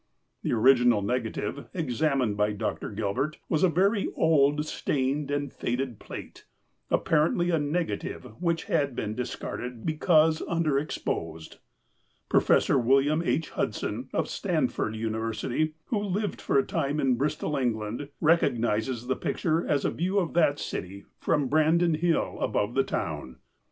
The original negative, examined by Dr. Gilbert, was a very old, stained, and faded plate, apparently a negative which had been discarded because underexposed. Prof. William H. Hudson, of Stanford University, who lived for a time in Bristol, England, recognizes the picture as a view of that city from Brandon Hill, above the town.